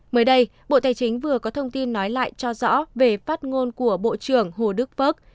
mới đây bộ tài chính vừa có thông tin nói lại cho rõ về phát ngôn của bộ trưởng hồ đức phước